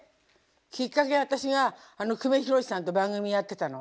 きっかけは私が久米宏さんと番組やってたの。